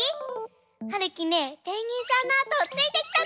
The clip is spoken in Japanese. はるきねペンギンさんのあとをついてきたの！